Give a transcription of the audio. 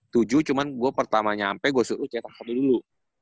tujuh cuman gua pertama nyampe gua suruh cetak satu dulu